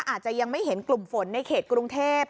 อาจจะยังไม่เห็นกลุ่มฝนในเขตกรุงเทพ